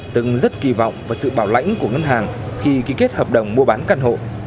từng rất kỳ vọng vào sự bảo lãnh của ngân hàng khi ký kết hợp đồng mua bán căn hộ